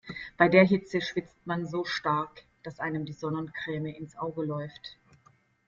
Bei der Hitze schwitzt man so stark, dass einem die Sonnencreme ins Auge läuft.